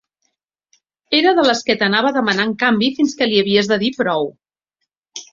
Era de les que t'anava demanant canvi fins que li havies de dir prou.